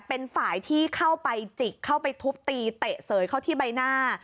เป็นฝ่ายที่เข้าไปจิกเข้าไปทุบตีเตะเสยเข้าที่ใบหน้า